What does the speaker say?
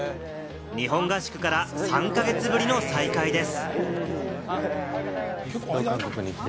日本合宿から３か月ぶりの再会です。